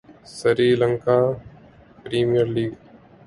Sri Lanka Premier League